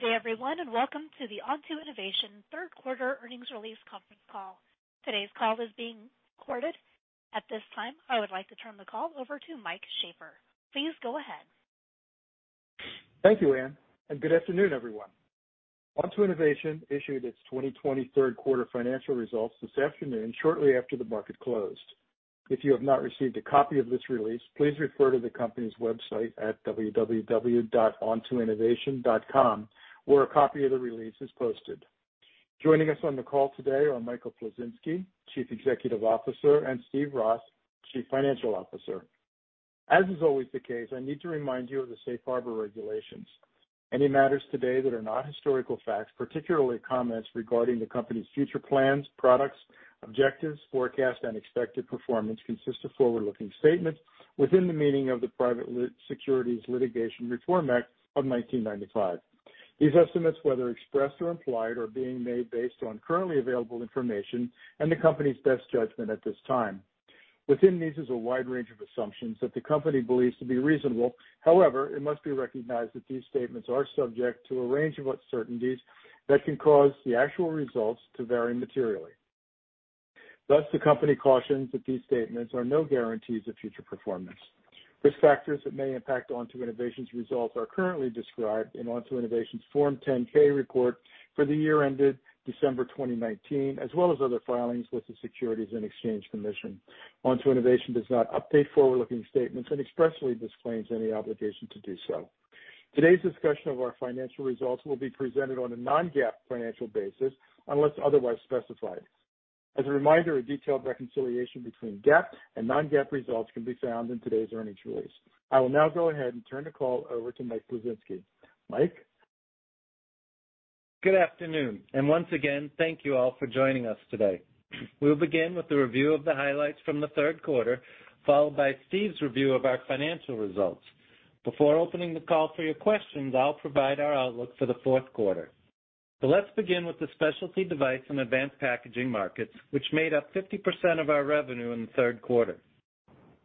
Good day, everyone, and welcome to the Onto Innovation third quarter earnings release conference call. Today's call is being recorded. At this time, I would like to turn the call over to Mike Sheaffer. Please go ahead. Thank you, Anne, and good afternoon, everyone. Onto Innovation issued its 2023 quarter financial results this afternoon, shortly after the market closed. If you have not received a copy of this release, please refer to the company's website at www.OntoInnovation.com, where a copy of the release is posted. Joining us on the call today are Michael Plisinski, Chief Executive Officer, and Steve Ross, Chief Financial Officer. As is always the case, I need to remind you of the Safe Harbor regulations. Any matters today that are not historical facts, particularly comments regarding the company's future plans, products, objectives, forecast, and expected performance, consist of forward-looking statements within the meaning of the Private Securities Litigation Reform Act of 1995. These estimates, whether expressed or implied, are being made based on currently available information and the company's best judgment at this time. Within these is a wide range of assumptions that the company believes to be reasonable. However, it must be recognized that these statements are subject to a range of uncertainties that can cause the actual results to vary materially. Thus, the company cautions that these statements are no guarantees of future performance. Risk factors that may impact Onto Innovation's results are currently described in Onto Innovation's Form 10-K report for the year ended December 2019, as well as other filings with the Securities and Exchange Commission. Onto Innovation does not update forward-looking statements and expressly disclaims any obligation to do so. Today's discussion of our financial results will be presented on a Non-GAAP financial basis unless otherwise specified. As a reminder, a detailed reconciliation between GAAP and Non-GAAP results can be found in today's earnings release. I will now go ahead and turn the call over to Mike Plisinski. Mike. Good afternoon, and once again, thank you all for joining us today. We'll begin with a review of the highlights from the third quarter, followed by Steve's review of our financial results. Before opening the call for your questions, I'll provide our outlook for the fourth quarter. Let's begin with the specialty device and advanced packaging markets, which made up 50% of our revenue in the third quarter.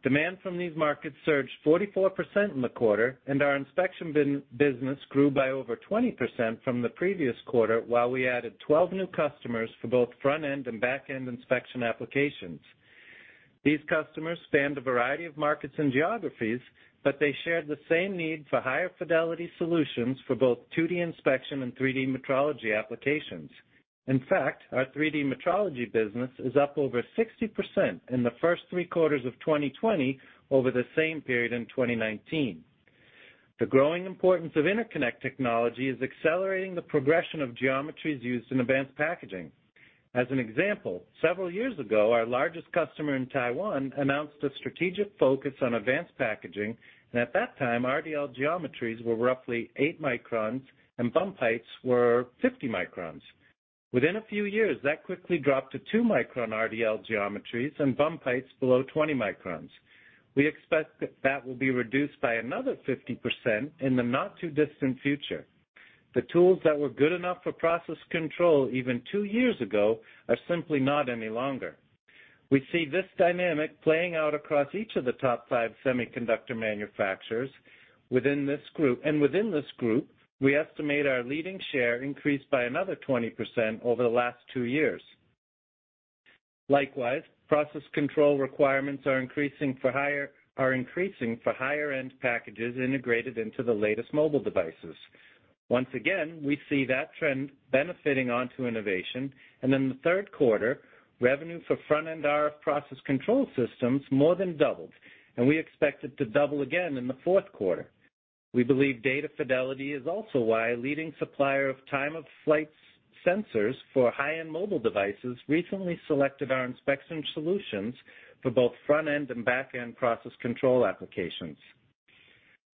Demand from these markets surged 44% in the quarter, and our inspection business grew by over 20% from the previous quarter, while we added 12 new customers for both front-end and back-end inspection applications. These customers spanned a variety of markets and geographies, but they shared the same need for higher fidelity solutions for both 2D inspection and 3D metrology applications. In fact, our 3D metrology business is up over 60% in the first three quarters of 2020 over the same period in 2019. The growing importance of interconnect technology is accelerating the progression of geometries used in advanced packaging. As an example, several years ago, our largest customer in Taiwan announced a strategic focus on advanced packaging, and at that time, RDL geometries were roughly 8 microns and bump heights were 50 microns. Within a few years, that quickly dropped to 2 micron RDL geometries and bump heights below 20 microns. We expect that that will be reduced by another 50% in the not-too-distant future. The tools that were good enough for process control even two years ago are simply not any longer. We see this dynamic playing out across each of the top five semiconductor manufacturers within this group, and within this group, we estimate our leading share increased by another 20% over the last two years. Likewise, process control requirements are increasing for higher-end packages integrated into the latest mobile devices. Once again, we see that trend benefiting Onto Innovation, and in the third quarter, revenue for front-end RF process control systems more than doubled, and we expect it to double again in the fourth quarter. We believe data fidelity is also why a leading supplier of time-of-flight sensors for high-end mobile devices recently selected our inspection solutions for both front-end and back-end process control applications.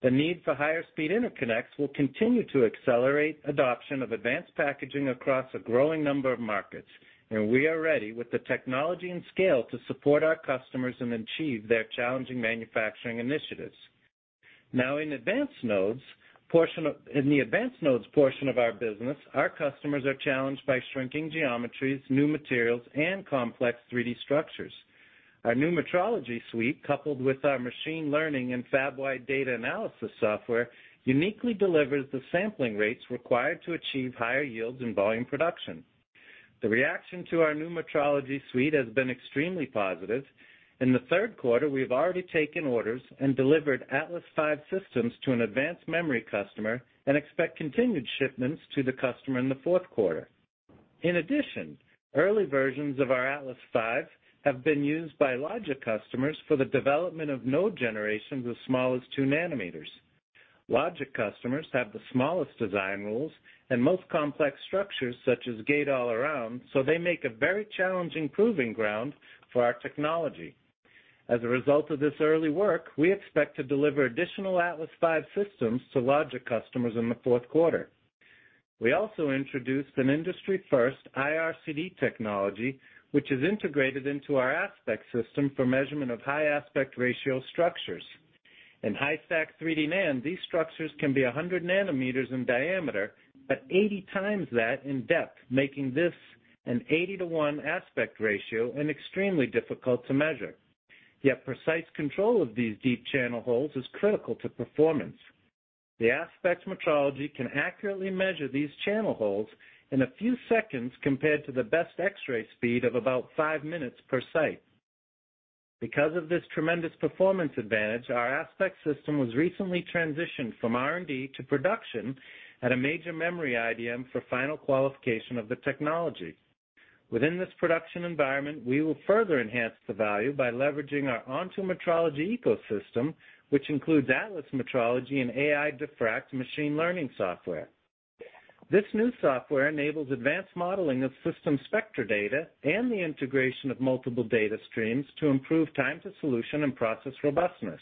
The need for higher-speed interconnects will continue to accelerate adoption of advanced packaging across a growing number of markets, and we are ready with the technology and scale to support our customers and achieve their challenging manufacturing initiatives. Now, in advanced nodes, in the advanced nodes portion of our business, our customers are challenged by shrinking geometries, new materials, and complex 3D structures. Our new metrology suite, coupled with our machine learning and FabWide data analysis software, uniquely delivers the sampling rates required to achieve higher yields in volume production. The reaction to our new metrology suite has been extremely positive. In the third quarter, we have already taken orders and delivered Atlas V systems to an advanced memory customer and expect continued shipments to the customer in the fourth quarter. In addition, early versions of our Atlas V have been used by Logic customers for the development of node generations as small as 2 nm. Logic customers have the smallest design rules and most complex structures, such as gate all around, so they make a very challenging proving ground for our technology. As a result of this early work, we expect to deliver additional Atlas V systems to Logic customers in the fourth quarter. We also introduced an industry-first IRCD technology, which is integrated into our Aspect system for measurement of high aspect ratio structures. In high-stack 3D NAND, these structures can be 100 nm in diameter, but 80 times that in depth, making this an 80-1 aspect ratio and extremely difficult to measure. Yet precise control of these deep channel holes is critical to performance. The Aspect metrology can accurately measure these channel holes in a few seconds compared to the best X-ray speed of about five minutes per site. Because of this tremendous performance advantage, our Aspect system was recently transitioned from R&D to production at a major memory IDM for final qualification of the technology. Within this production environment, we will further enhance the value by leveraging our Onto metrology ecosystem, which includes Atlas metrology and AI Diffract machine learning software. This new software enables advanced modeling of system spectral data and the integration of multiple data streams to improve time to solution and process robustness.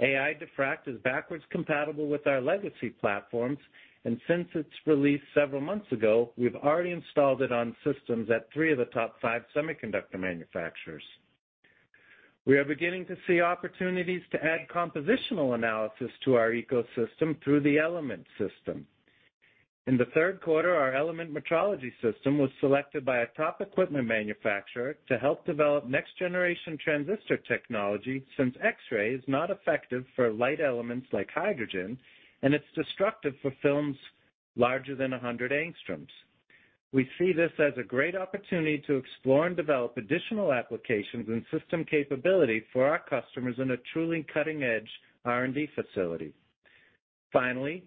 AI Diffract is backwards compatible with our legacy platforms, and since its release several months ago, we've already installed it on systems at three of the top five semiconductor manufacturers. We are beginning to see opportunities to add compositional analysis to our ecosystem through the Element system. In the third quarter, our Element metrology system was selected by a top equipment manufacturer to help develop next-generation transistor technology since X-ray is not effective for light elements like hydrogen and it's destructive for films larger than 100 angstroms. We see this as a great opportunity to explore and develop additional applications and system capability for our customers in a truly cutting-edge R&D facility. Finally,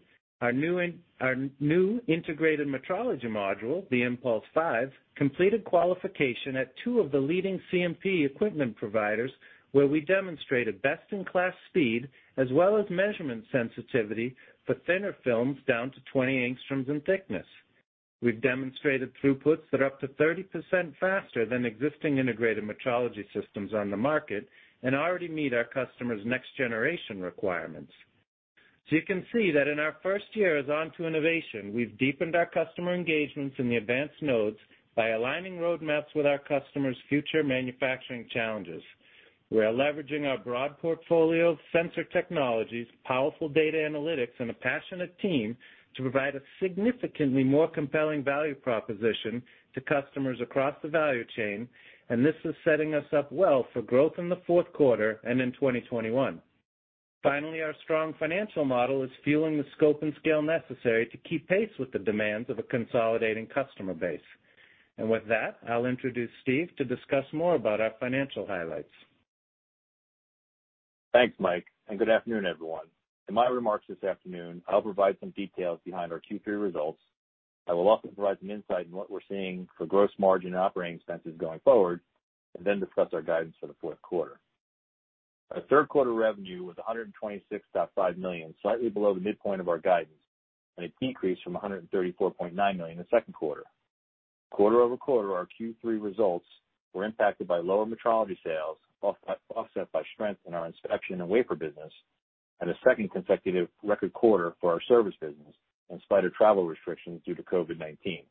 our new integrated metrology module, the Impulse 5, completed qualification at two of the leading CMP equipment providers where we demonstrated best-in-class speed as well as measurement sensitivity for thinner films down to 20 angstroms in thickness. We've demonstrated throughputs that are up to 30% faster than existing integrated metrology systems on the market and already meet our customers' next-generation requirements. You can see that in our first year as Onto Innovation, we've deepened our customer engagements in the advanced nodes by aligning roadmaps with our customers' future manufacturing challenges. We are leveraging our broad portfolio of sensor technologies, powerful data analytics, and a passionate team to provide a significantly more compelling value proposition to customers across the value chain, and this is setting us up well for growth in the fourth quarter and in 2021. Finally, our strong financial model is fueling the scope and scale necessary to keep pace with the demands of a consolidating customer base. With that, I'll introduce Steve to discuss more about our financial highlights. Thanks, Mike, and good afternoon, everyone. In my remarks this afternoon, I'll provide some details behind our Q3 results. I will also provide some insight in what we're seeing for gross margin operating expenses going forward and then discuss our guidance for the fourth quarter. Our third quarter revenue was $126.5 million, slightly below the midpoint of our guidance, and it decreased from $134.9 million in the second quarter. Quarter over quarter, our Q3 results were impacted by lower metrology sales, offset by strength in our inspection and wafer business, and a second consecutive record quarter for our service business in spite of travel restrictions due to COVID-19.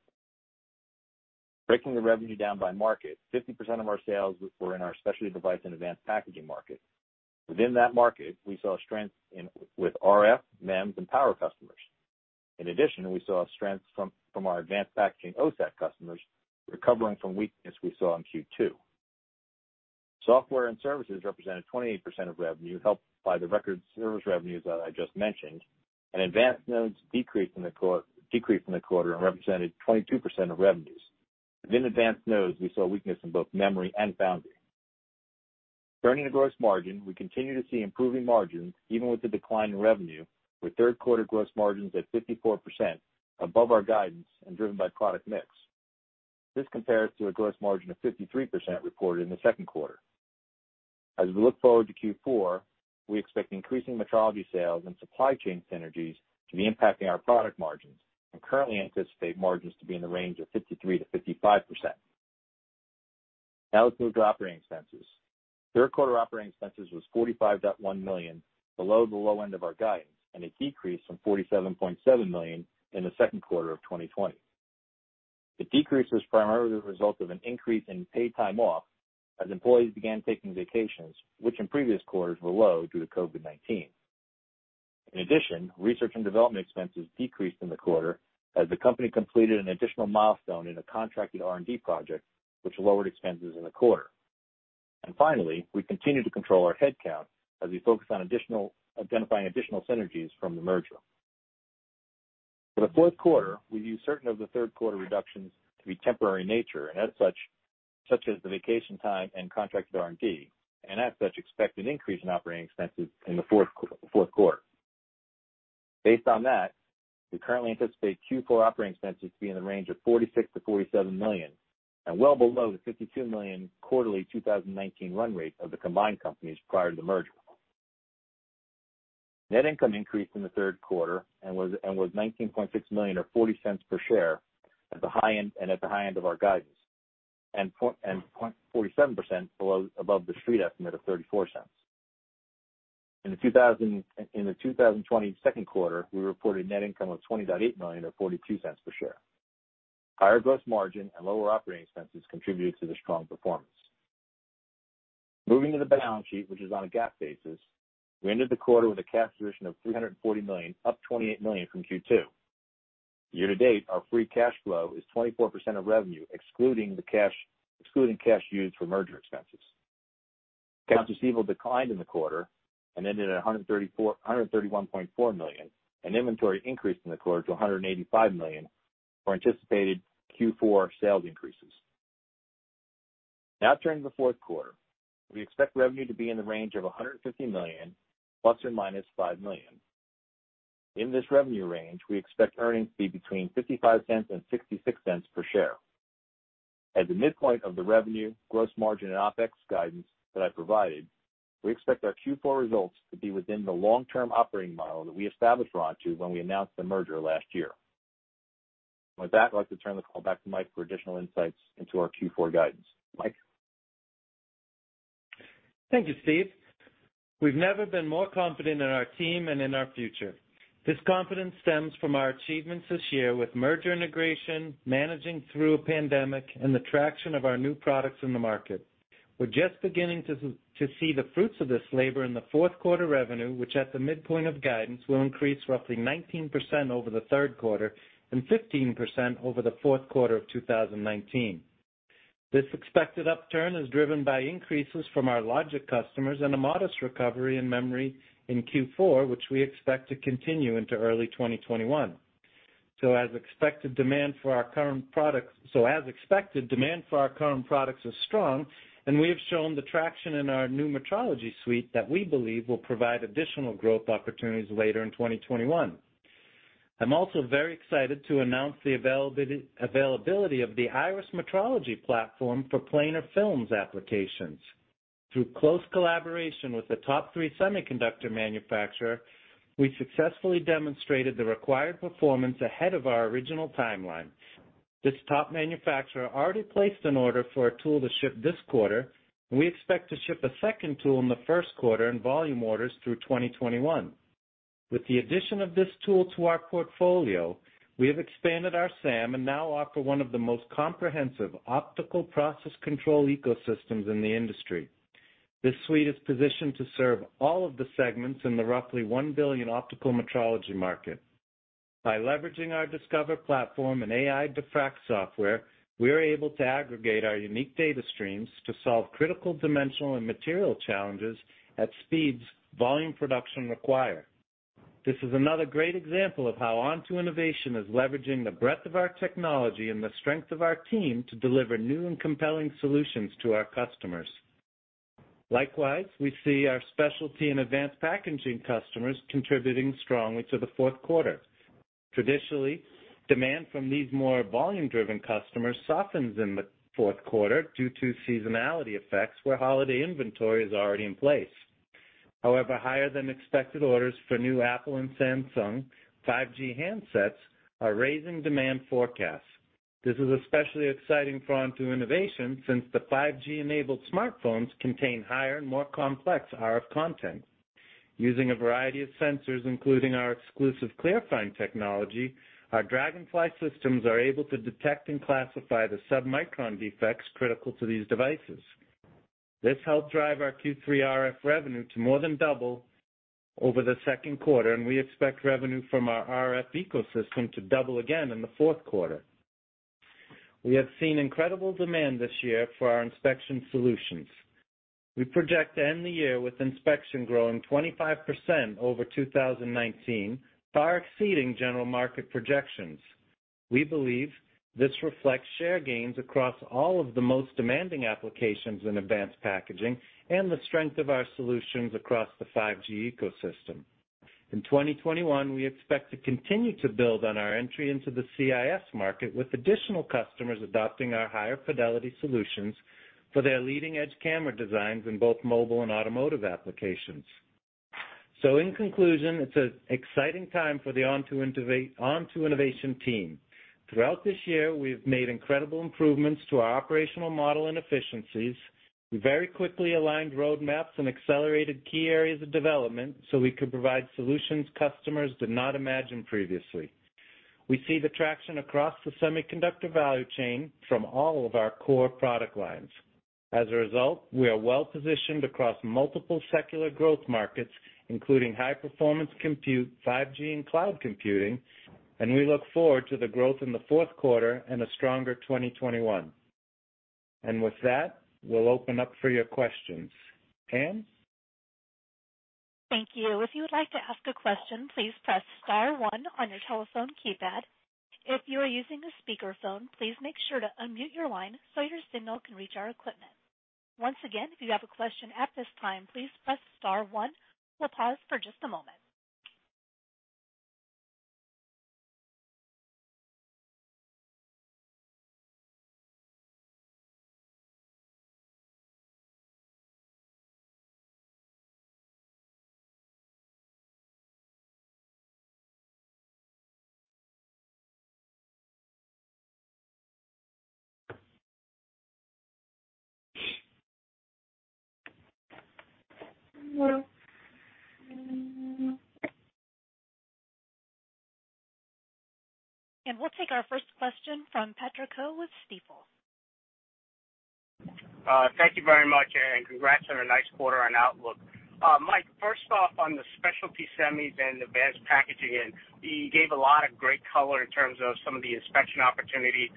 Breaking the revenue down by market, 50% of our sales were in our specialty device and advanced packaging market. Within that market, we saw strength with RF, MEMS, and power customers. In addition, we saw strength from our advanced packaging OSAT customers recovering from weakness we saw in Q2. Software and services represented 28% of revenue, helped by the record service revenues that I just mentioned, and advanced nodes decreased in the quarter and represented 22% of revenues. Within advanced nodes, we saw weakness in both memory and foundry. Turning to gross margin, we continue to see improving margins even with the decline in revenue, with third quarter gross margins at 54% above our guidance and driven by product mix. This compares to a gross margin of 53% reported in the second quarter. As we look forward to Q4, we expect increasing metrology sales and supply chain synergies to be impacting our product margins and currently anticipate margins to be in the range of 53%-55%. Now let's move to operating expenses. Third quarter operating expenses was $45.1 million, below the low end of our guidance, and it decreased from $47.7 million in the second quarter of 2020. The decrease was primarily the result of an increase in paid time off as employees began taking vacations, which in previous quarters were low due to COVID-19. In addition, research and development expenses decreased in the quarter as the company completed an additional milestone in a contracted R&D project, which lowered expenses in the quarter. Finally, we continue to control our headcount as we focus on identifying additional synergies from the merger. For the fourth quarter, we view certain of the third quarter reductions to be temporary in nature, such as the vacation time and contracted R&D, and as such, expect an increase in operating expenses in the fourth quarter. Based on that, we currently anticipate Q4 operating expenses to be in the range of $46 million-$47 million and well below the $52 million quarterly 2019 run rate of the combined companies prior to the merger. Net income increased in the third quarter and was $19.6 million or $0.40 per share at the high end of our guidance and 47% above the street estimate of $0.34. In the 2020 second quarter, we reported net income of $20.8 million or $0.42 per share. Higher gross margin and lower operating expenses contributed to the strong performance. Moving to the balance sheet, which is on a GAAP basis, we ended the quarter with a cash position of $340 million, up $28 million from Q2. Year to date, our free cash flow is 24% of revenue, excluding cash used for merger expenses. Accounts receivable declined in the quarter and ended at $131.4 million, and inventory increased in the quarter to $185 million for anticipated Q4 sales increases. Now turning to the fourth quarter, we expect revenue to be in the range of $150 million, ±$5 million. In this revenue range, we expect earnings to be between $0.55 and $0.66 per share. At the midpoint of the revenue, gross margin, and OpEx guidance that I provided, we expect our Q4 results to be within the long-term operating model that we established for Onto Innovation when we announced the merger last year. With that, I'd like to turn the call back to Mike for additional insights into our Q4 guidance. Mike. Thank you, Steve. We've never been more confident in our team and in our future. This confidence stems from our achievements this year with merger integration, managing through a pandemic, and the traction of our new products in the market. We're just beginning to see the fruits of this labor in the fourth quarter revenue, which at the midpoint of guidance will increase roughly 19% over the third quarter and 15% over the fourth quarter of 2019. This expected upturn is driven by increases from our Logic customers and a modest recovery in memory in Q4, which we expect to continue into early 2021. As expected, demand for our current products is strong, and we have shown the traction in our new metrology suite that we believe will provide additional growth opportunities later in 2021. I'm also very excited to announce the availability of the IRIS metrology platform for planar films applications. Through close collaboration with the top three semiconductor manufacturers, we successfully demonstrated the required performance ahead of our original timeline. This top manufacturer already placed an order for a tool to ship this quarter, and we expect to ship a second tool in the first quarter in volume orders through 2021. With the addition of this tool to our portfolio, we have expanded our SAM and now offer one of the most comprehensive optical process control ecosystems in the industry. This suite is positioned to serve all of the segments in the roughly $1 billion optical metrology market. By leveraging our Discover platform and AI Diffract software, we are able to aggregate our unique data streams to solve critical dimensional and material challenges at speeds volume production requires. This is another great example of how Onto Innovation is leveraging the breadth of our technology and the strength of our team to deliver new and compelling solutions to our customers. Likewise, we see our specialty and advanced packaging customers contributing strongly to the fourth quarter. Traditionally, demand from these more volume-driven customers softens in the fourth quarter due to seasonality effects where holiday inventory is already in place. However, higher than expected orders for new Apple and Samsung 5G handsets are raising demand forecasts. This is especially exciting for Onto Innovation since the 5G-enabled smartphones contain higher and more complex RF content. Using a variety of sensors, including our exclusive ClearFind technology, our DragonFly systems are able to detect and classify the submicron defects critical to these devices. This helped drive our Q3 RF revenue to more than double over the second quarter, and we expect revenue from our RF ecosystem to double again in the fourth quarter. We have seen incredible demand this year for our inspection solutions. We project to end the year with inspection growing 25% over 2019, far exceeding general market projections. We believe this reflects share gains across all of the most demanding applications in advanced packaging and the strength of our solutions across the 5G ecosystem. In 2021, we expect to continue to build on our entry into the CIS market with additional customers adopting our higher fidelity solutions for their leading-edge camera designs in both mobile and automotive applications. In conclusion, it's an exciting time for the Onto Innovation team. Throughout this year, we've made incredible improvements to our operational model and efficiencies. We very quickly aligned roadmaps and accelerated key areas of development so we could provide solutions customers did not imagine previously. We see the traction across the semiconductor value chain from all of our core product lines. As a result, we are well positioned across multiple secular growth markets, including high-performance compute, 5G, and cloud computing, and we look forward to the growth in the fourth quarter and a stronger 2021. With that, we'll open up for your questions. Thank you. If you would like to ask a question, please press star one on your telephone keypad. If you are using a speakerphone, please make sure to unmute your line so your signal can reach our equipment. Once again, if you have a question at this time, please press star one. We'll pause for just a moment. We will take our first question from Patrick Ho with Stifel. Thank you very much, and congrats on a nice quarter on Outlook. Mike, first off, on the specialty semis and advanced packaging, you gave a lot of great color in terms of some of the inspection opportunity,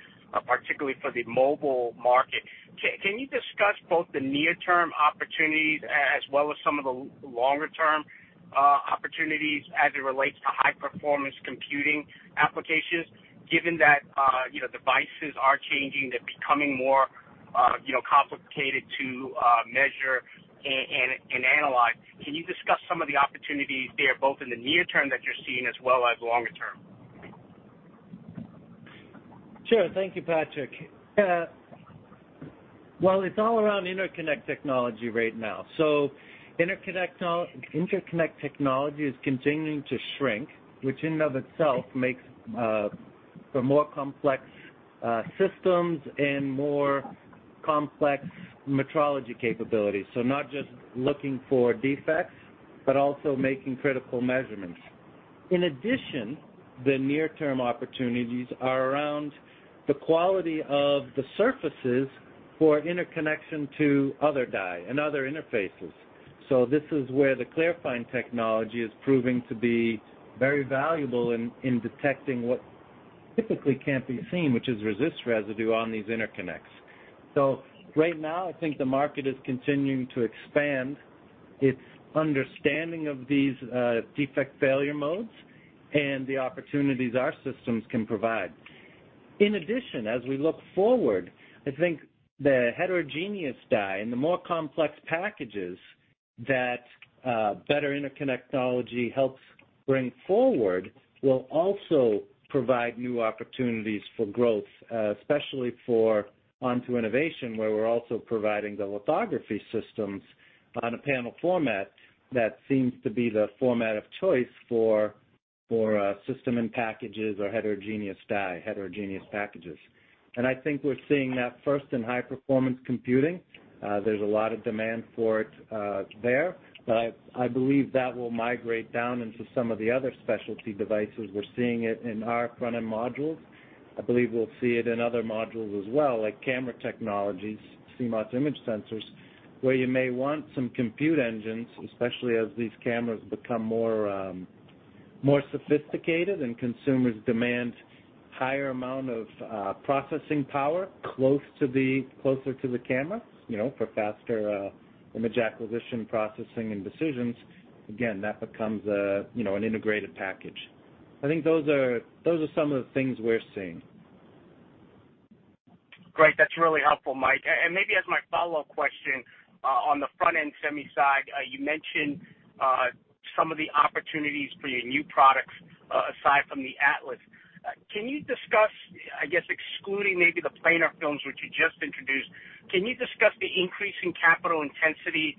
particularly for the mobile market. Can you discuss both the near-term opportunities as well as some of the longer-term opportunities as it relates to high-performance computing applications? Given that devices are changing, they're becoming more complicated to measure and analyze, can you discuss some of the opportunities there, both in the near term that you're seeing as well as longer term? Sure. Thank you, Patrick. It is all around interconnect technology right now. Interconnect technology is continuing to shrink, which in and of itself makes for more complex systems and more complex metrology capabilities. Not just looking for defects, but also making critical measurements. In addition, the near-term opportunities are around the quality of the surfaces for interconnection to other die and other interfaces. This is where the ClearFind technology is proving to be very valuable in detecting what typically cannot be seen, which is resist residue on these interconnects. Right now, I think the market is continuing to expand its understanding of these defect failure modes and the opportunities our systems can provide. In addition, as we look forward, I think the heterogeneous die and the more complex packages that better interconnect technology helps bring forward will also provide new opportunities for growth, especially for Onto Innovation, where we're also providing the lithography systems on a panel format that seems to be the format of choice for system and packages or heterogeneous die, heterogeneous packages. I think we're seeing that first in high-performance computing. There's a lot of demand for it there, but I believe that will migrate down into some of the other specialty devices. We're seeing it in our front-end modules. I believe we'll see it in other modules as well, like camera technologies, CMOS image sensors, where you may want some compute engines, especially as these cameras become more sophisticated and consumers demand a higher amount of processing power closer to the camera for faster image acquisition, processing, and decisions. Again, that becomes an integrated package. I think those are some of the things we're seeing. Great. That's really helpful, Mike. Maybe as my follow-up question, on the front-end semi side, you mentioned some of the opportunities for your new products aside from the Atlas. Can you discuss, I guess, excluding maybe the planar films, which you just introduced, can you discuss the increasing capital intensity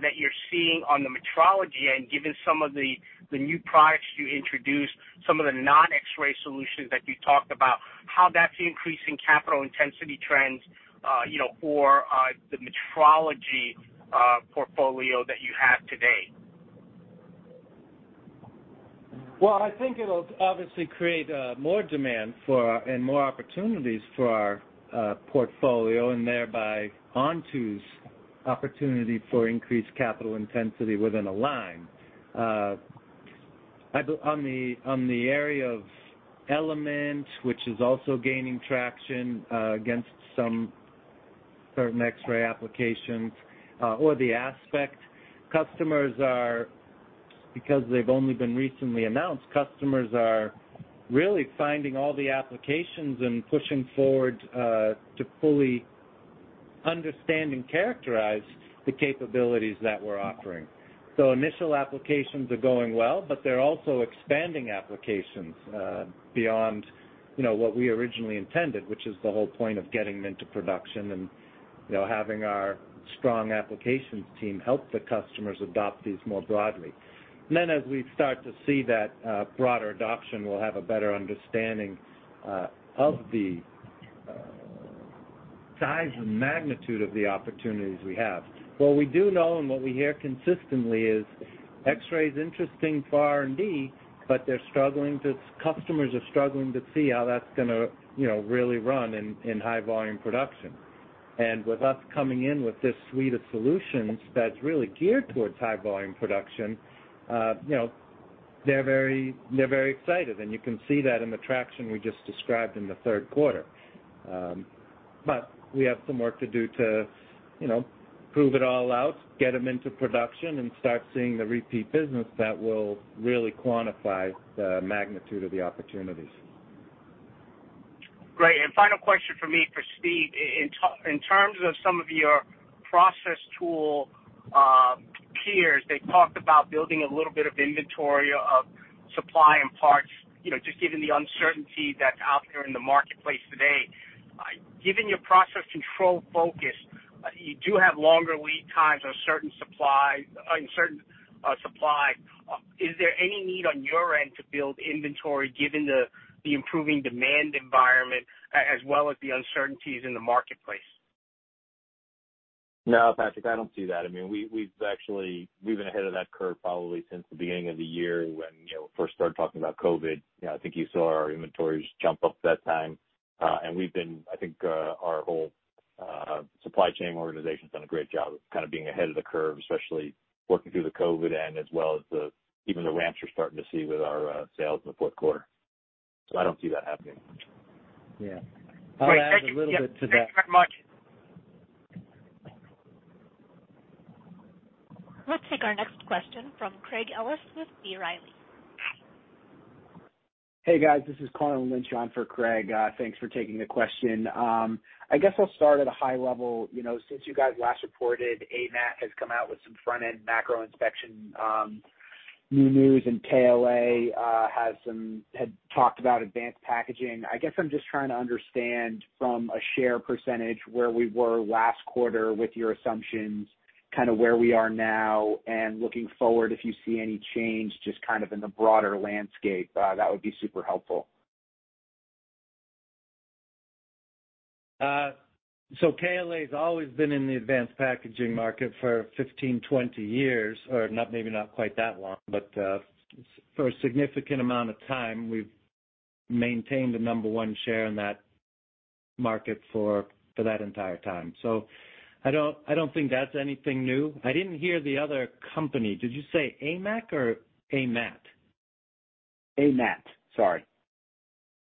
that you're seeing on the metrology end, given some of the new products you introduced, some of the non-X-ray solutions that you talked about, how that's increasing capital intensity trends for the metrology portfolio that you have today? I think it'll obviously create more demand and more opportunities for our portfolio and thereby Onto's opportunity for increased capital intensity within a line. On the area of Element, which is also gaining traction against some certain X-ray applications, or the Aspect, customers are, because they've only been recently announced, customers are really finding all the applications and pushing forward to fully understand and characterize the capabilities that we're offering. Initial applications are going well, but they're also expanding applications beyond what we originally intended, which is the whole point of getting them into production and having our strong applications team help the customers adopt these more broadly. As we start to see that broader adoption, we'll have a better understanding of the size and magnitude of the opportunities we have. What we do know and what we hear consistently is X-ray is interesting far and deep, but customers are struggling to see how that's going to really run in high-volume production. With us coming in with this suite of solutions that's really geared towards high-volume production, they're very excited, and you can see that in the traction we just described in the third quarter. We have some work to do to prove it all out, get them into production, and start seeing the repeat business that will really quantify the magnitude of the opportunities. Great. Final question for me, for Steve. In terms of some of your process tool peers, they talked about building a little bit of inventory of supply and parts, just given the uncertainty that's out there in the marketplace today. Given your process control focus, you do have longer lead times on certain supplies. Is there any need on your end to build inventory given the improving demand environment as well as the uncertainties in the marketplace? No, Patrick, I don't see that. I mean, we've been ahead of that curve probably since the beginning of the year when we first started talking about COVID. I think you saw our inventories jump up that time. And we've been, I think our whole supply chain organization has done a great job of kind of being ahead of the curve, especially working through the COVID end as well as even the ramps we're starting to see with our sales in the fourth quarter. I don't see that happening. Yeah. All right. Thank you very much. Let's take our next question from Craig Ellis with B. Riley. Hey, guys. This is Colin Lynch, John for Craig. Thanks for taking the question. I guess I'll start at a high level. Since you guys last reported, AMAT has come out with some front-end macro inspection new news, and KLA had talked about advanced packaging. I guess I'm just trying to understand from a share percentage where we were last quarter with your assumptions, kind of where we are now, and looking forward if you see any change just kind of in the broader landscape. That would be super helpful. KLA has always been in the advanced packaging market for 15-20 years, or maybe not quite that long, but for a significant amount of time, we've maintained the number one share in that market for that entire time. I don't think that's anything new. I didn't hear the other company. Did you say AMAT or AMAT? AMAT, sorry.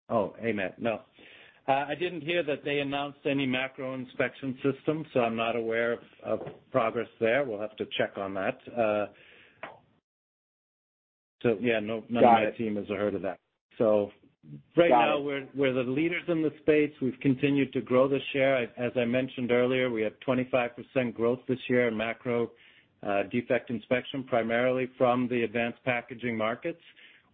Oh, AMAT. No. I didn't hear that they announced any macro inspection system, so I'm not aware of progress there. We'll have to check on that. Yeah, none of my team has heard of that. Right now, we're the leaders in the space. We've continued to grow the share. As I mentioned earlier, we had 25% growth this year in macro defect inspection, primarily from the advanced packaging markets.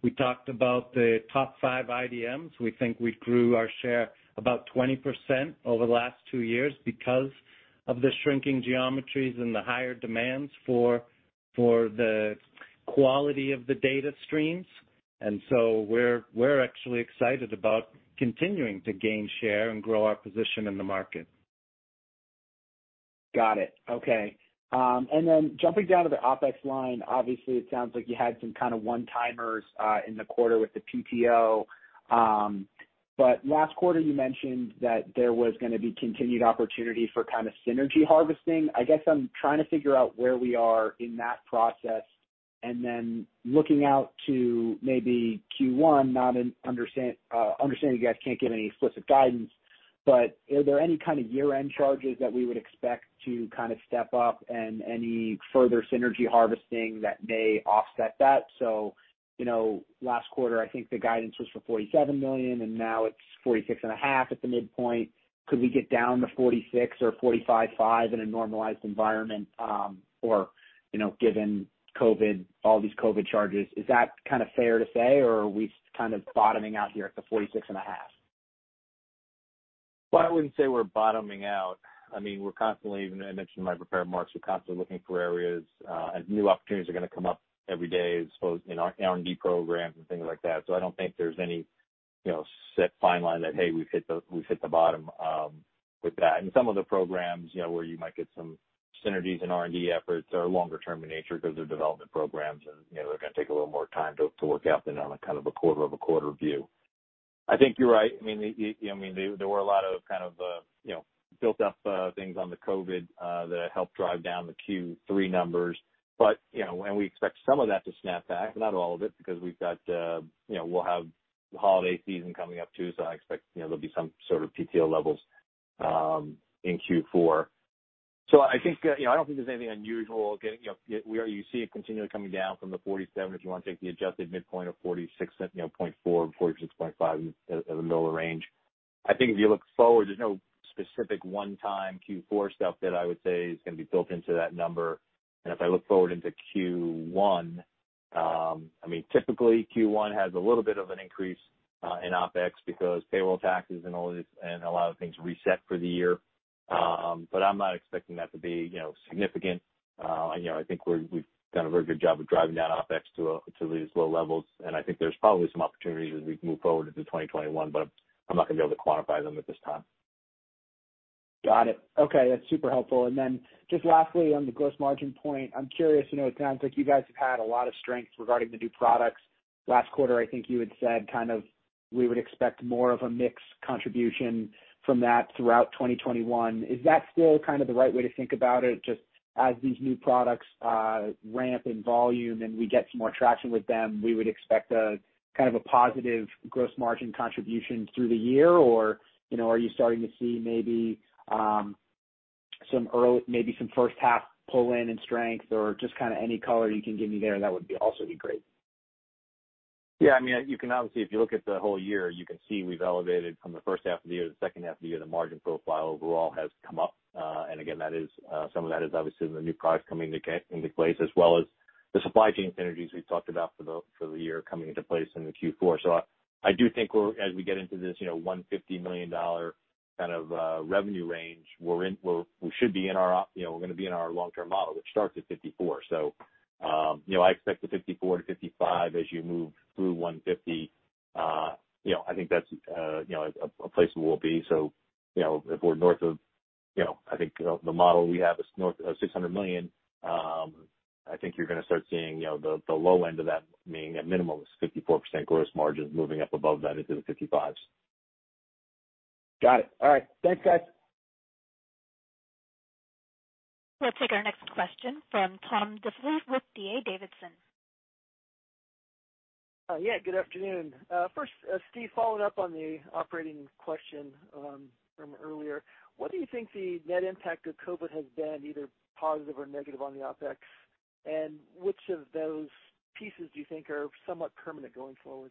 We talked about the top five IDMs. We think we grew our share about 20% over the last two years because of the shrinking geometries and the higher demands for the quality of the data streams. We're actually excited about continuing to gain share and grow our position in the market. Got it. Okay. And then jumping down to the OpEx line, obviously, it sounds like you had some kind of one-timers in the quarter with the PTO. Last quarter, you mentioned that there was going to be continued opportunity for kind of synergy harvesting. I guess I'm trying to figure out where we are in that process and then looking out to maybe Q1, not understanding you guys can't give any explicit guidance, but are there any kind of year-end charges that we would expect to kind of step up and any further synergy harvesting that may offset that? Last quarter, I think the guidance was for $47 million, and now it's $46.5 million at the midpoint. Could we get down to $46 million or $45.5 million in a normalized environment, or given all these COVID charges? Is that kind of fair to say, or are we kind of bottoming out here at the 46.5? I would not say we are bottoming out. I mean, we are constantly, even I mentioned in my prepared marks, we are constantly looking for areas, and new opportunities are going to come up every day in R&D programs and things like that. I do not think there is any set fine line that, hey, we have hit the bottom with that. Some of the programs where you might get some synergies in R&D efforts are longer-term in nature because they are development programs, and they are going to take a little more time to work out than on a kind of a quarter-over-quarter view. I think you are right. I mean, there were a lot of kind of built-up things on the COVID that helped drive down the Q3 numbers. We expect some of that to snap back, but not all of it, because we'll have the holiday season coming up too, so I expect there'll be some sort of PTO levels in Q4. I don't think there's anything unusual. You see it continually coming down from the 47 if you want to take the adjusted midpoint of 46.4-46.5 in the middle of the range. I think if you look forward, there's no specific one-time Q4 stuff that I would say is going to be built into that number. If I look forward into Q1, I mean, typically Q1 has a little bit of an increase in OpEx because payroll taxes and a lot of things reset for the year. I'm not expecting that to be significant. I think we've done a very good job of driving down OpEx to these low levels. I think there's probably some opportunities as we move forward into 2021, but I'm not going to be able to quantify them at this time. Got it. Okay. That's super helpful. Lastly, on the gross margin point, I'm curious. It sounds like you guys have had a lot of strength regarding the new products. Last quarter, I think you had said kind of we would expect more of a mixed contribution from that throughout 2021. Is that still kind of the right way to think about it? Just as these new products ramp in volume and we get some more traction with them, we would expect kind of a positive gross margin contribution through the year, or are you starting to see maybe some first-half pull-in and strength, or just any color you can give me there, that would also be great? Yeah. I mean, obviously, if you look at the whole year, you can see we've elevated from the first half of the year to the second half of the year. The margin profile overall has come up. Again, some of that is obviously the new products coming into place, as well as the supply chain synergies we've talked about for the year coming into place in Q4. I do think as we get into this $150 million kind of revenue range, we should be in our long-term model, which starts at 54. I expect the 54-55 as you move through 150. I think that's a place we'll be. If we're north of, I think the model we have is north of $600 million, I think you're going to start seeing the low end of that, meaning a minimum of 54% gross margins moving up above that into the 55s. Got it. All right. Thanks, guys. We'll take our next question from Tom Diffely with D.A. Davidson. Yeah. Good afternoon. First, Steve, following up on the operating question from earlier, what do you think the net impact of COVID has been, either positive or negative, on the OpEx? Which of those pieces do you think are somewhat permanent going forward?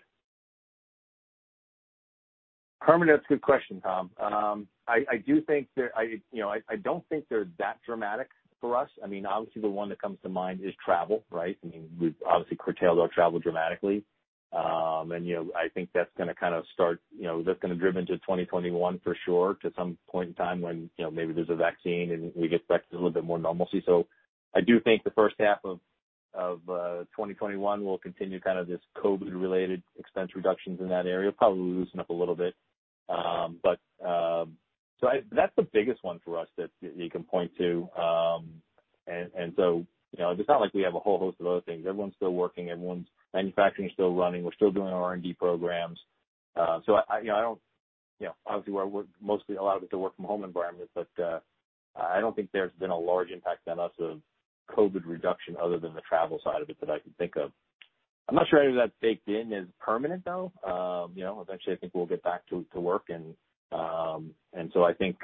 Permanent, that's a good question, Tom. I do think that I don't think they're that dramatic for us. I mean, obviously, the one that comes to mind is travel, right? I mean, obviously, travel does drop dramatically. I think that's going to kind of start, that's going to drive into 2021 for sure to some point in time when maybe there's a vaccine and we get back to a little bit more normalcy. I do think the first half of 2021 will continue kind of this COVID-related expense reductions in that area, probably loosen up a little bit. That's the biggest one for us that you can point to. It's not like we have a whole host of other things. Everyone's still working. Everyone's manufacturing is still running. We're still doing our R&D programs. I do not obviously, a lot of it is a work-from-home environment, but I do not think there has been a large impact on us of COVID reduction other than the travel side of it that I can think of. I am not sure any of that is baked in as permanent, though. Eventually, I think we will get back to work. I think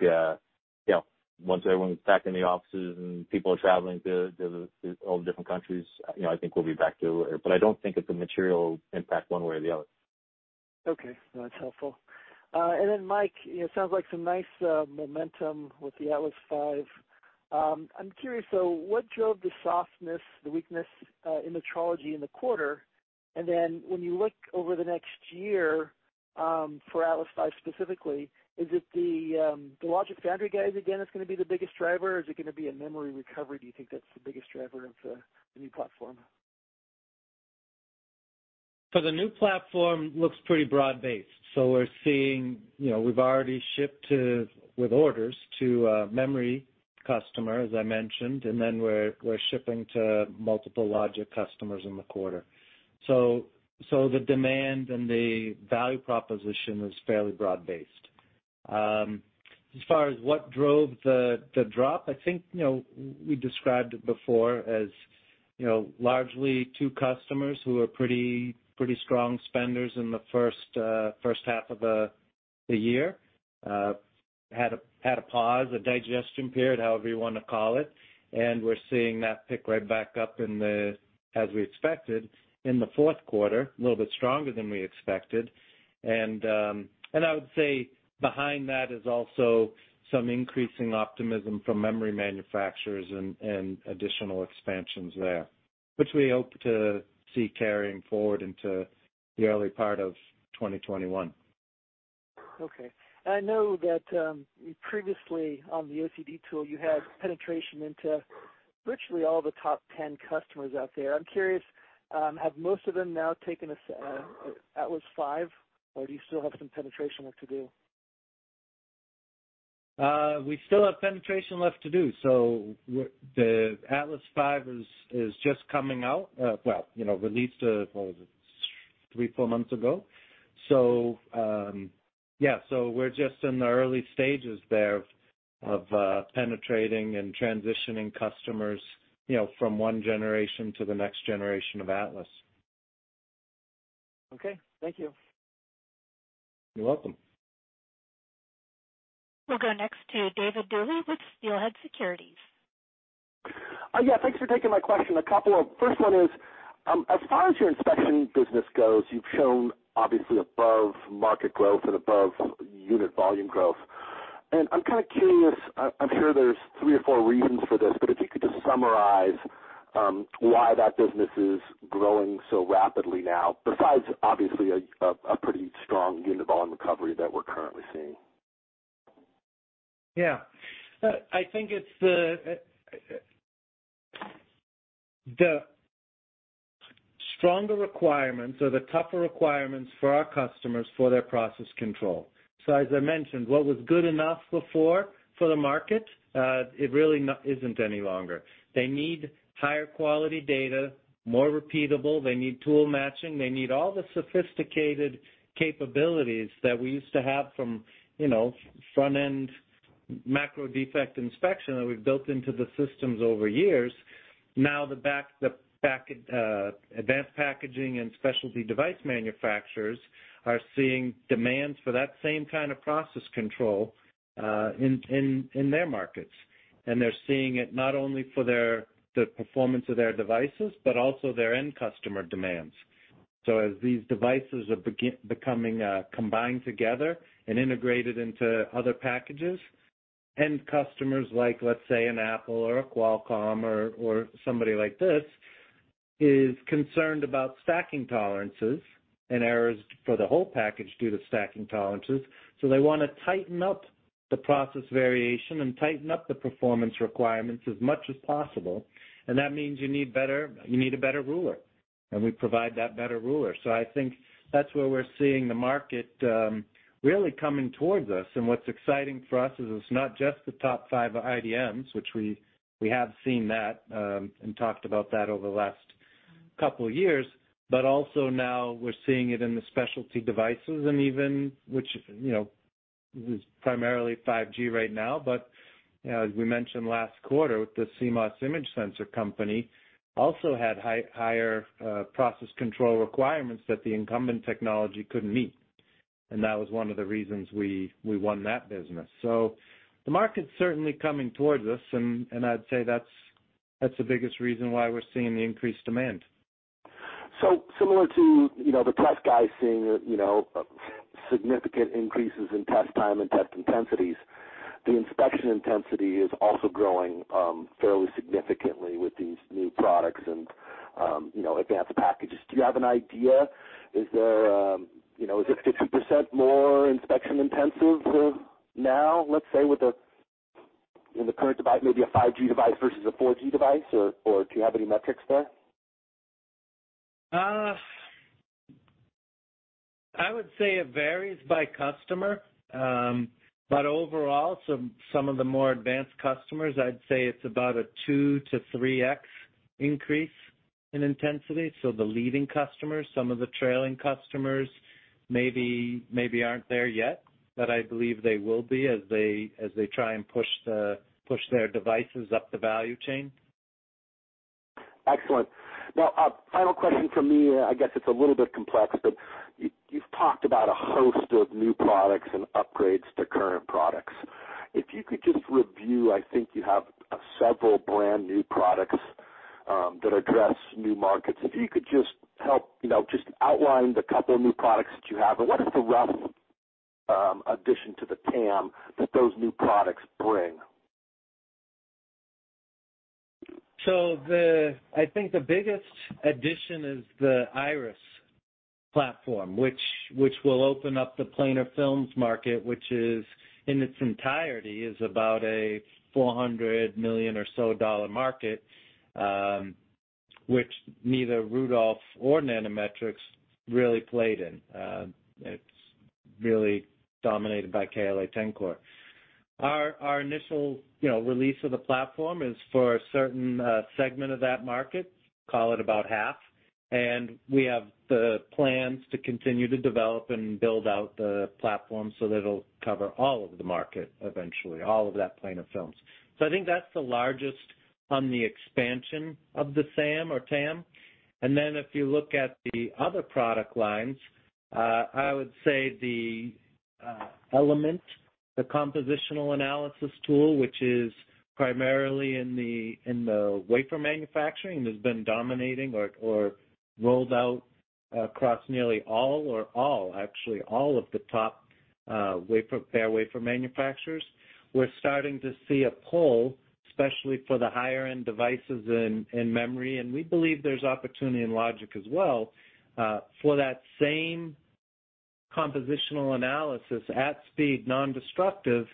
once everyone is back in the offices and people are traveling to all the different countries, I think we will be back to it. I do not think it is a material impact one way or the other. Okay. That's helpful. Mike, it sounds like some nice momentum with the Atlas V. I'm curious, though, what drove the softness, the weakness in the trilogy in the quarter? When you look over the next year for Atlas V specifically, is it the Logic Foundry guys again that's going to be the biggest driver, or is it going to be a memory recovery? Do you think that's the biggest driver of the new platform? The new platform looks pretty broad-based. We're seeing we've already shipped with orders to a memory customer, as I mentioned, and then we're shipping to multiple Logic customers in the quarter. The demand and the value proposition is fairly broad-based. As far as what drove the drop, I think we described it before as largely two customers who are pretty strong spenders in the first half of the year. They had a pause, a digestion period, however you want to call it. We're seeing that pick right back up as we expected in the fourth quarter, a little bit stronger than we expected. I would say behind that is also some increasing optimism from memory manufacturers and additional expansions there, which we hope to see carrying forward into the early part of 2021. Okay. I know that previously on the OCD tool, you had penetration into virtually all the top 10 customers out there. I'm curious, have most of them now taken Atlas V, or do you still have some penetration left to do? We still have penetration left to do. The Atlas V is just coming out, released three, four months ago. Yeah, we're just in the early stages there of penetrating and transitioning customers from one generation to the next generation of Atlas. Okay. Thank you. You're welcome. We'll go next to David Duley with Steelhead Securities. Yeah. Thanks for taking my question. First one is, as far as your inspection business goes, you've shown obviously above market growth and above unit volume growth. I'm kind of curious, I'm sure there's three or four reasons for this, but if you could just summarize why that business is growing so rapidly now, besides obviously a pretty strong unit volume recovery that we're currently seeing. Yeah. I think it's the stronger requirements or the tougher requirements for our customers for their process control. As I mentioned, what was good enough before for the market, it really isn't any longer. They need higher quality data, more repeatable. They need tool matching. They need all the sophisticated capabilities that we used to have from front-end macro defect inspection that we've built into the systems over years. Now the advanced packaging and specialty device manufacturers are seeing demands for that same kind of process control in their markets. They're seeing it not only for the performance of their devices, but also their end customer demands. As these devices are combined together and integrated into other packages, end customers like, let's say, an Apple or a Qualcomm or somebody like this is concerned about stacking tolerances and errors for the whole package due to stacking tolerances. They want to tighten up the process variation and tighten up the performance requirements as much as possible. That means you need a better ruler. We provide that better ruler. I think that's where we're seeing the market really coming towards us. What's exciting for us is it's not just the top five IDMs, which we have seen that and talked about that over the last couple of years, but also now we're seeing it in the specialty devices, which is primarily 5G right now. As we mentioned last quarter, the CMOS Image Sensor company also had higher process control requirements that the incumbent technology couldn't meet. That was one of the reasons we won that business. The market's certainly coming towards us, and I'd say that's the biggest reason why we're seeing the increased demand. Similar to the test guys seeing significant increases in test time and test intensities, the inspection intensity is also growing fairly significantly with these new products and advanced packages. Do you have an idea? Is it 50% more inspection intensive now, let's say, in the current device, maybe a 5G device versus a 4G device, or do you have any metrics there? I would say it varies by customer. Overall, some of the more advanced customers, I'd say it's about a 2-3x increase in intensity. The leading customers, some of the trailing customers maybe aren't there yet, but I believe they will be as they try and push their devices up the value chain. Excellent. Now, final question from me. I guess it's a little bit complex, but you've talked about a host of new products and upgrades to current products. If you could just review, I think you have several brand new products that address new markets. If you could just help just outline the couple of new products that you have, what is the rough addition to the TAM that those new products bring? I think the biggest addition is the IRIS platform, which will open up the planar films market, which in its entirety is about a $400 million or so dollar market, which neither Rudolph or Nanometrics really played in. It is really dominated by KLA Tencor. Our initial release of the platform is for a certain segment of that market, call it about half. We have the plans to continue to develop and build out the platform so that it will cover all of the market eventually, all of that planar films. I think that is the largest on the expansion of the SAM or TAM. If you look at the other product lines, I would say the Element, the compositional analysis tool, which is primarily in the wafer manufacturing and has been dominating or rolled out across nearly all, or actually all of the top bare wafer manufacturers. We're starting to see a pull, especially for the higher-end devices in memory. We believe there's opportunity in Logic as well for that same compositional analysis at speed, non-destructive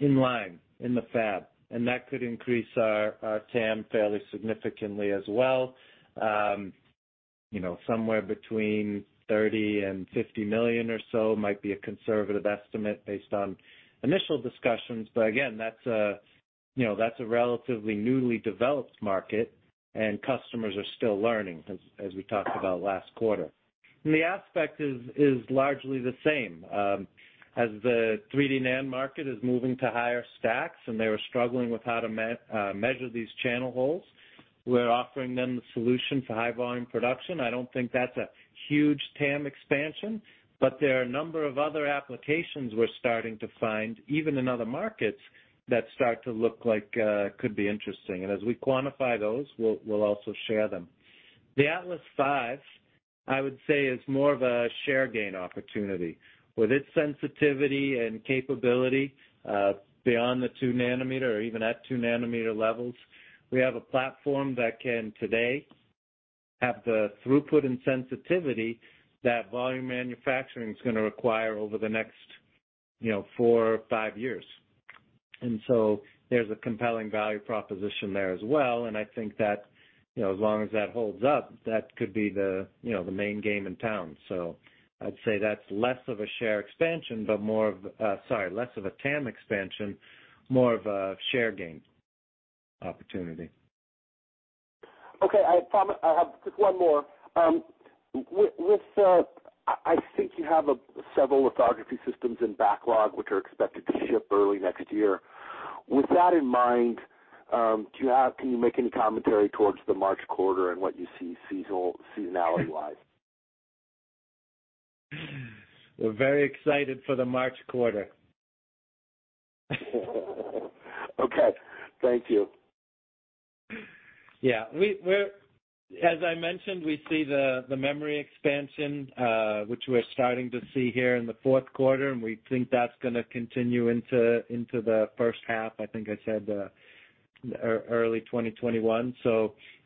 in line in the fab. That could increase our TAM fairly significantly as well. Somewhere between $30 million and $50 million or so might be a conservative estimate based on initial discussions. That is a relatively newly developed market, and customers are still learning, as we talked about last quarter. The aspect is largely the same. As the 3D NAND market is moving to higher stacks and they were struggling with how to measure these channel holes, we're offering them the solution for high-volume production. I don't think that's a huge TAM expansion, but there are a number of other applications we're starting to find, even in other markets, that start to look like could be interesting. As we quantify those, we'll also share them. The Atlas V, I would say, is more of a share gain opportunity. With its sensitivity and capability beyond the 2 nm or even at 2 nm levels, we have a platform that can today have the throughput and sensitivity that volume manufacturing is going to require over the next four or five years. There is a compelling value proposition there as well. I think that as long as that holds up, that could be the main game in town. I'd say that's less of a TAM expansion, more of a share gain opportunity. Okay. I have just one more. I think you have several lithography systems in backlog which are expected to ship early next year. With that in mind, can you make any commentary towards the March quarter and what you see seasonality-wise? We're very excited for the March quarter. Okay. Thank you. Yeah. As I mentioned, we see the memory expansion, which we're starting to see here in the fourth quarter, and we think that's going to continue into the first half, I think I said, early 2021.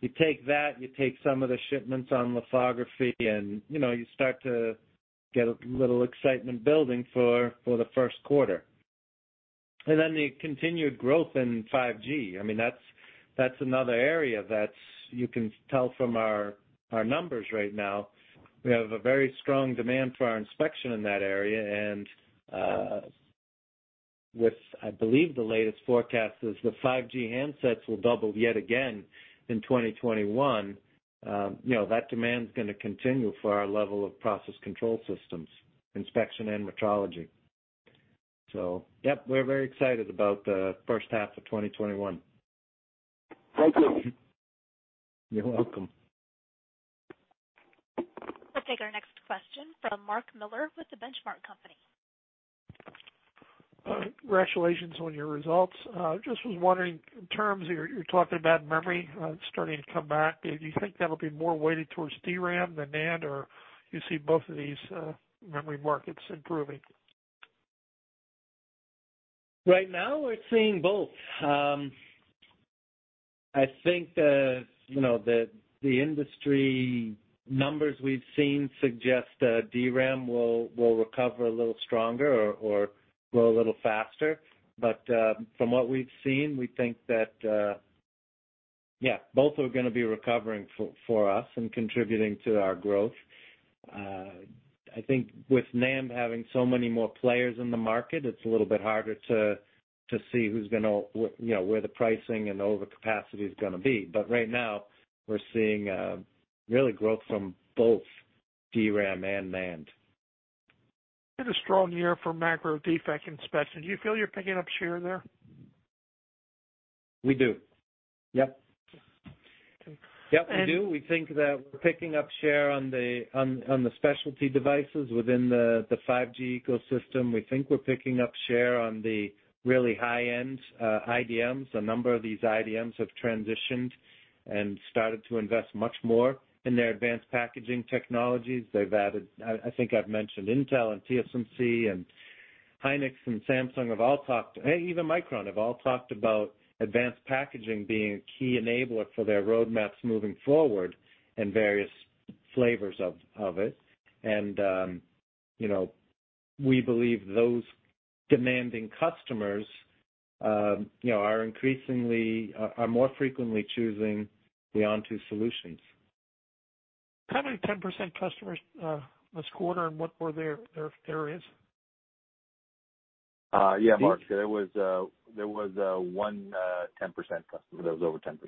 You take that, you take some of the shipments on lithography, and you start to get a little excitement building for the first quarter. Then the continued growth in 5G. I mean, that's another area that you can tell from our numbers right now. We have a very strong demand for our inspection in that area. With, I believe, the latest forecast, the 5G handsets will double yet again in 2021. That demand is going to continue for our level of process control systems, inspection and metrology. Yep, we're very excited about the first half of 2021. Thank you. You're welcome. We'll take our next question from Mark Miller with The Benchmark Company. Congratulations on your results. Just was wondering, in terms of you're talking about memory starting to come back, do you think that'll be more weighted towards DRAM than NAND, or do you see both of these memory markets improving? Right now, we're seeing both. I think the industry numbers we've seen suggest DRAM will recover a little stronger or grow a little faster. From what we've seen, we think that, yeah, both are going to be recovering for us and contributing to our growth. I think with NAND having so many more players in the market, it's a little bit harder to see where the pricing and overcapacity is going to be. Right now, we're seeing really growth from both DRAM and NAND. It's a strong year for macro defect inspection. Do you feel you're picking up share there? We do. Yep. Yep, we do. We think that we're picking up share on the specialty devices within the 5G ecosystem. We think we're picking up share on the really high-end IDMs. A number of these IDMs have transitioned and started to invest much more in their advanced packaging technologies. I think I've mentioned Intel and TSMC and Hynix and Samsung have all talked, even Micron have all talked about advanced packaging being a key enabler for their roadmaps moving forward and various flavors of it. We believe those demanding customers are more frequently choosing the Onto solutions. How many 10% customers this quarter and what were their areas? Yeah, Mark. There was one 10% customer. That was over 10%.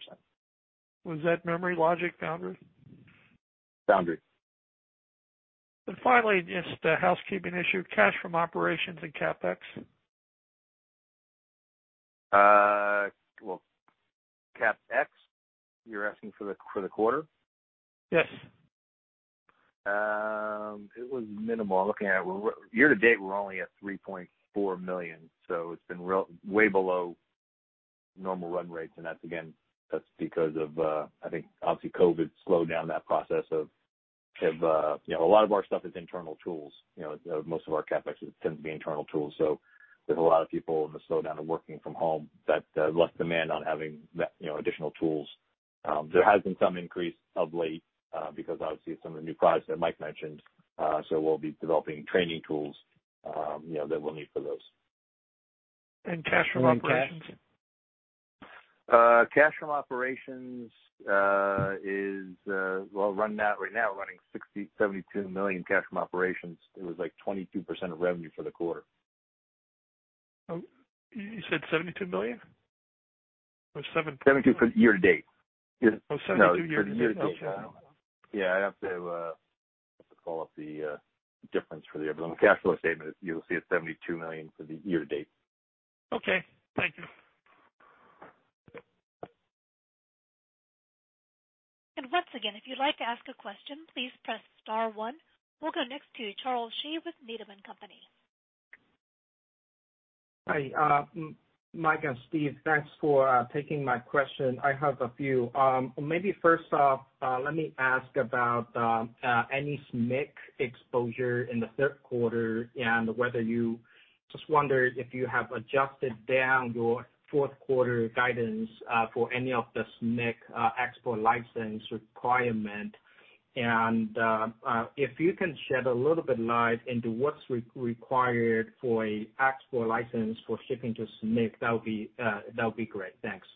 Was that Memory Logic Foundry? Foundry. Finally, just a housekeeping issue, cash from operations and CapEx? CapEx, you're asking for the quarter? Yes. It was minimal. Year to date, we're only at $3.4 million. It has been way below normal run rates. That is, again, because of, I think, obviously, COVID slowed down that process as a lot of our stuff is internal tools. Most of our CapEx tends to be internal tools. There were a lot of people in the slowdown of working from home. That is less demand on having additional tools. There has been some increase of late because, obviously, some of the new products that Mike mentioned. We will be developing training tools that we will need for those. Cash from operations? Cash from operations is, right now, we're running $72 million cash from operations. It was like 22% of revenue for the quarter. You said $72 million? Or $7 million? 72 for year to date. Oh, 72 year to date. No, for year to date. Yeah, I have to call up the difference for the cash flow statement. You'll see it's $72 million for the year to date. Okay. Thank you. Once again, if you'd like to ask a question, please press star one. We'll go next to Charles Shi with Needham & Company. Hi. Mike and Steve, thanks for taking my question. I have a few. Maybe first off, let me ask about any SMIC exposure in the third quarter and whether you just wonder if you have adjusted down your fourth quarter guidance for any of the SMIC export license requirement. If you can shed a little bit light into what's required for an export license for shipping to SMIC, that would be great. Thanks.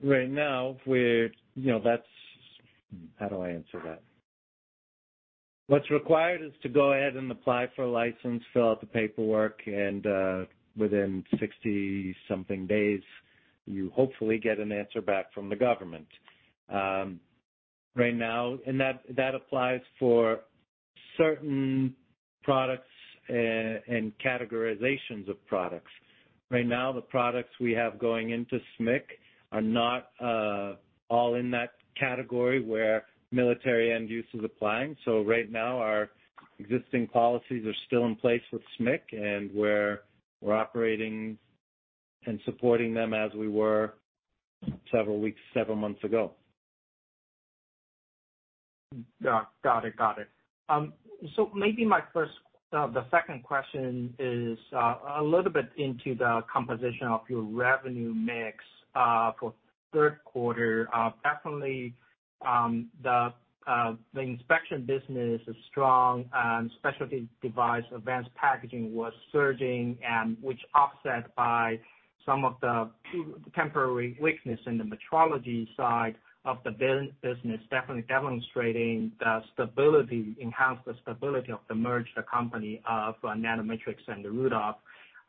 Right now, that's—how do I answer that? What's required is to go ahead and apply for a license, fill out the paperwork, and within 60-something days, you hopefully get an answer back from the government. Right now, and that applies for certain products and categorizations of products. Right now, the products we have going into SMIC are not all in that category where military end use is applying. Right now, our existing policies are still in place with SMIC, and we're operating and supporting them as we were several months ago. Got it. Got it. Maybe the second question is a little bit into the composition of your revenue mix for third quarter. Definitely, the inspection business is strong, and specialty device advanced packaging was surging, which offset by some of the temporary weakness in the metrology side of the business, definitely demonstrating the stability, enhanced the stability of the merger company of Nanometrics and Rudolph.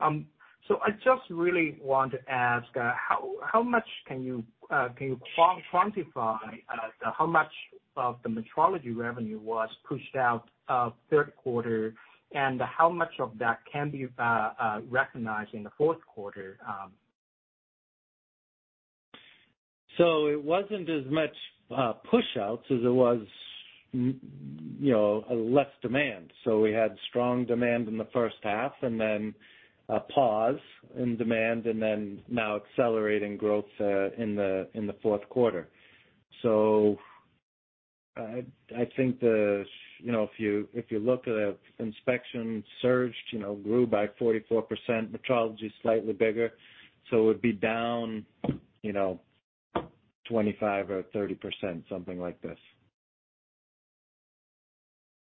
I just really want to ask, can you quantify how much of the metrology revenue was pushed out third quarter, and how much of that can be recognized in the fourth quarter? It was not as much push-outs as it was less demand. We had strong demand in the first half and then a pause in demand, and now accelerating growth in the fourth quarter. I think if you look at the inspection surged, grew by 44%, metrology slightly bigger. It would be down 25%-30%, something like this.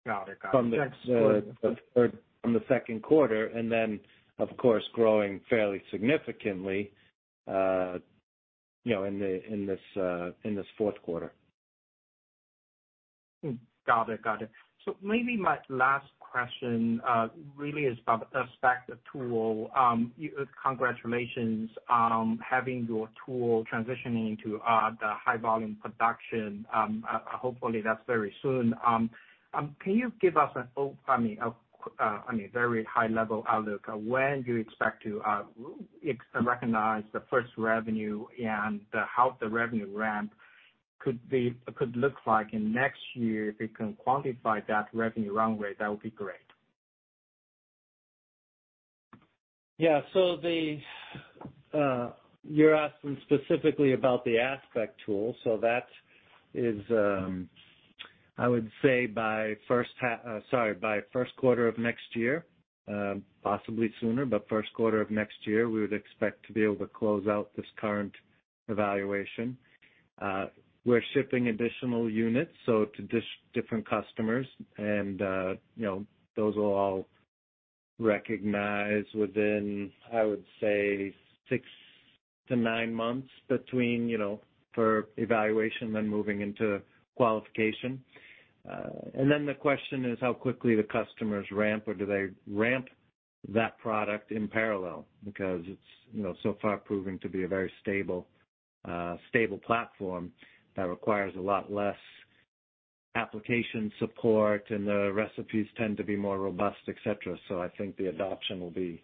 Got it. Got it. From the second quarter, and then, of course, growing fairly significantly in this fourth quarter. Got it. Got it. Maybe my last question really is about the spec tool. Congratulations on having your tool transitioning into high-volume production. Hopefully, that's very soon. Can you give us an, I mean, a very high-level outlook of when you expect to recognize the first revenue and how the revenue ramp could look like in next year? If you can quantify that revenue run rate, that would be great. Yeah. So you're asking specifically about the Aspect tool. That is, I would say, by first—sorry, by first quarter of next year, possibly sooner, but first quarter of next year, we would expect to be able to close out this current evaluation. We're shipping additional units to different customers, and those will all recognize within, I would say, six to nine months for evaluation and then moving into qualification. The question is how quickly the customers ramp, or do they ramp that product in parallel? Because it's so far proving to be a very stable platform that requires a lot less application support, and the recipes tend to be more robust, etc. I think the adoption will be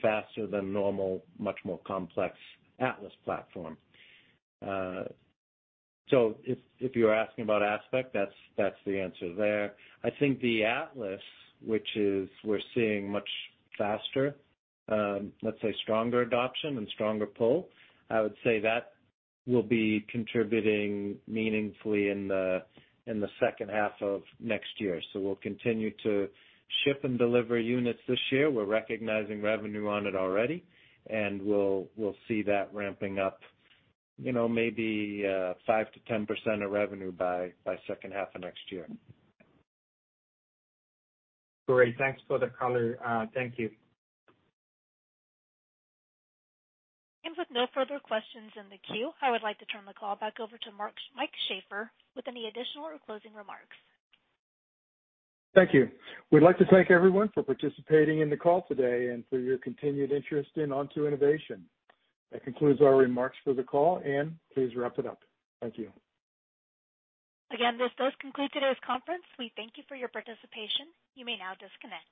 faster than normal, much more complex Atlas platform. If you're asking about Aspect, that's the answer there. I think the Atlas, which we're seeing much faster, let's say, stronger adoption and stronger pull, I would say that will be contributing meaningfully in the second half of next year. We'll continue to ship and deliver units this year. We're recognizing revenue on it already, and we'll see that ramping up maybe 5%-10% of revenue by second half of next year. Great. Thanks, Brother Carter. Thank you. With no further questions in the queue, I would like to turn the call back over to Mike Sheaffer with any additional or closing remarks. Thank you. We'd like to thank everyone for participating in the call today and for your continued interest in Onto Innovation. That concludes our remarks for the call, and please wrap it up. Thank you. Again, this does conclude today's conference. We thank you for your participation. You may now disconnect.